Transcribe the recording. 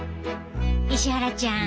石原ちゃん。